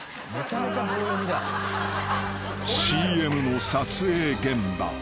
［ＣＭの撮影現場］